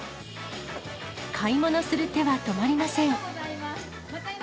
買い物する手は止まりません。